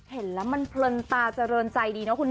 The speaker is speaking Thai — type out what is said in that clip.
เห็นแล้วมันเพลินตาเจริญใจดีนะคุณ